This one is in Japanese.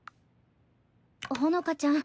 タッほのかちゃん